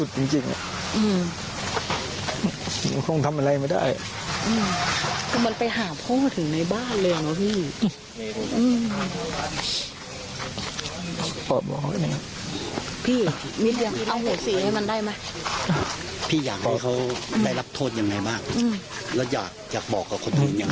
พี่อยากให้เขาได้รับโทษยังไงบ้างแล้วอยากบอกกับคนอื่นยังไง